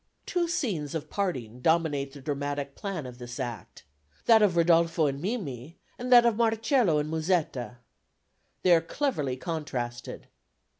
Two scenes of parting dominate the dramatic plan of this Act, that of Rodolfo and Mimi, and that of Marcello and Musetta. They are cleverly contrasted.